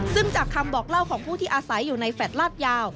ซึ่งจากคำบอกเล่าของผู้ที่อาศัยอยู่ในแฟลต์ลาดยาว